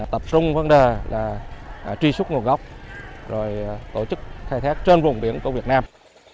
tập trung vấn đề tri súc nguồn gốc rồi tổ chức khai thác trên vùng biển của việt nam